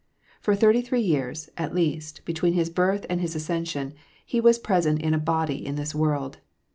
For thirty three years, at least, between His birth and His ascension, He was present in a body in this world.